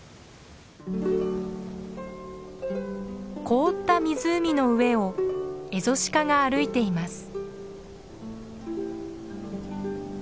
凍った湖の上をエゾシカが歩いています。